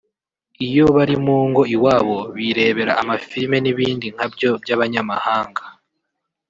iyo bari mu ngo iwabo birebera amafilime n’ibindi nkabyo by’abanyamahanga